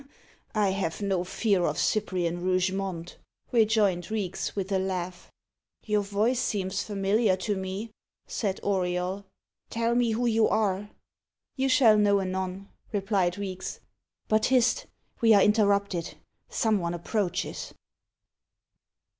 "I have no fear of Cyprian Rougemont," rejoined Reeks, with a laugh. "Your voice seems familiar to me," said Auriol. "Tell me who you are?" "You shall know anon," replied Reeks. "But, hist! we are interrupted. Some one approaches."